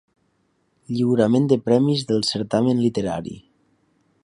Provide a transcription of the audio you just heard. Lliurament de premis del certamen literari.